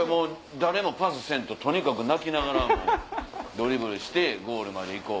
誰もパスせんととにかく泣きながらドリブルしてゴールまで行こう！